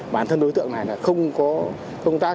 bản thân đối tượng này là không có công tác